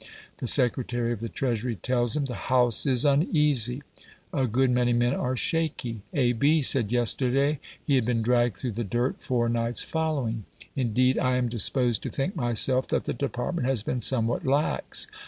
The Secretary of the Treasury tells him, "The House is uneasy. A good many men are shaky. A. B. said yesterday he had been dragged through the dirt four nights following. Indeed I am disposed to think myself that the department has been somewhat lax.